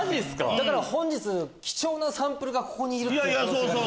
だから本日貴重なサンプルがここにいる可能性があります。